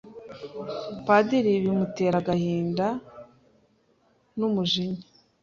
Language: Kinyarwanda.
Padiri bimutera agahinda n'umujinya,